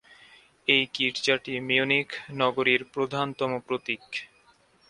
এই গির্জাটি মিউনিখ নগরীর প্রধানতম প্রতীক।